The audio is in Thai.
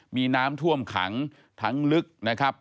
มีน้ำท่วมขังทั้งลึกนะครับ